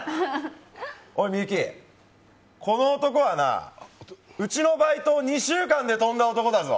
ミユキ、この男はなうちのバイトを２週間で飛んだ男だぞ。